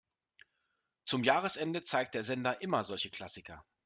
Zum Jahresende zeigt der Sender immer solche Klassiker.